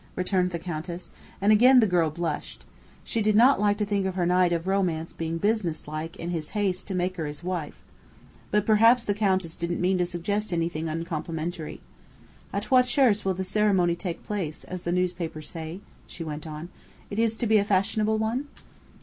returned the Countess, and again the girl blushed. She did not like to think of her knight of romance being "businesslike" in his haste to make her his wife. But perhaps the Countess didn't mean to suggest anything uncomplimentary. "At what church will the 'ceremony take place' as the newspapers say?" she went on. "It is to be a fashionable one?"